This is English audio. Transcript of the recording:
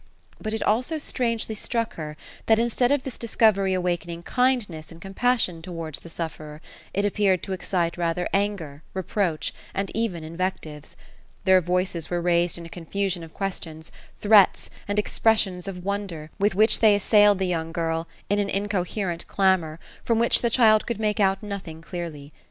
But it also strangely struck her that instead of this discovery awakening kindness and com passion towards the sufferer, it appeared to excite rather anger, reproach and even invectives Their voices were raised in a confusion Of questions, threats and expressions of wonder, with which they assailed the young girl, in an incoherent clamour, from which the child could make out nothing clearly.